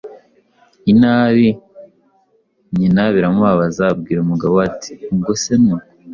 inabi. nyina biramubabaza abwira umugabo we ati: “ubwo se ni uko